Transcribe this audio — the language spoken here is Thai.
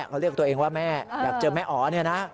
เขาเรียกตัวเองว่าแม่อยากเจอแม่อ๋อเนี่ยนะ